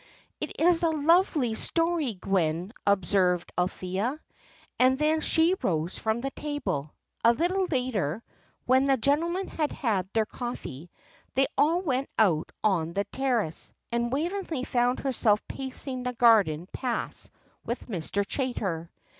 "It is a lovely story, Gwen," observed Althea; and then she rose from the table. A little later, when the gentlemen had had their coffee, they all went out on the terrace, and Waveney found herself pacing the garden paths with Mr. Chaytor.